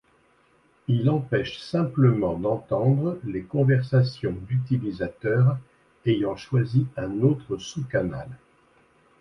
Il empêche simplement d'entendre les conversations d'utilisateurs ayant choisi un autre sous-canal.